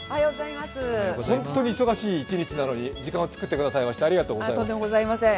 本当に忙しい一日なのに時間を作っていただきましてありがとうございます。